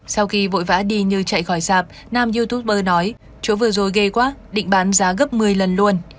sau khi vội vã đi như chạy khỏi sạp nam youtuber nói chỗ vừa rồi ghewak định bán giá gấp một mươi lần luôn